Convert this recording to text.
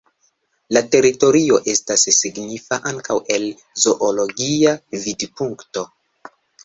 La teritorio estas signifa ankaŭ el zoologia vidpunkto.